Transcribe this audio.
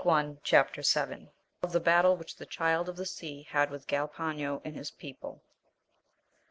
Chap. VII.— Of the battle which the Child of the Sea had with Galpano and his people.